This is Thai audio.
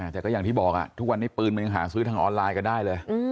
แต่ก็อย่างที่บอกทุกวันนี้ปืนมันยังหาซื้อทางออนไลน์กันได้เลย